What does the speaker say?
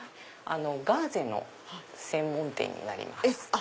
ガーゼの専門店になります。